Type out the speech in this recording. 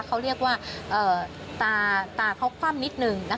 เขาเรียกว่าตาเขาคว่ำนิดนึง